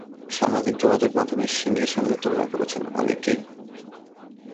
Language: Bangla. সামাজিক যোগাযোগ মাধ্যমে সিংহের সঙ্গে তুলনা করছেন অনেকেই।